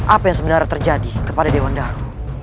apa yang sebenarnya terjadi kepada dewan baru